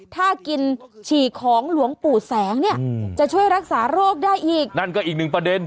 ถ้ากินฉี่ของหลวงปู่แสงเนี่ยจะช่วยรักษาโรคได้อีกนั่นก็อีกหนึ่งประเด็น